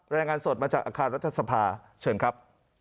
รายงานสดมาจากอาคารรัฐสภาเชิญครับ